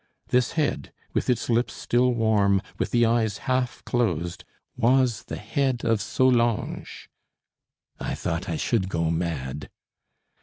This head, with its lips still warm, with the eyes half closed, was the head of Solange! I thought I should go mad.